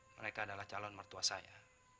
mereka adalah calon mertua saya